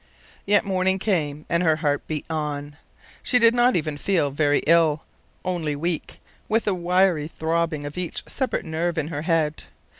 Yet morning came and her heart beat on. She did not even feel very ill, only weak, with a wiry throbbing of each separate nerve in her head.